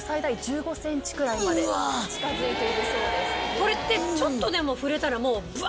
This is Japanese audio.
これってちょっとでも触れたらもうブワ！